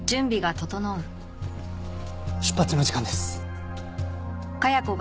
出発の時間です。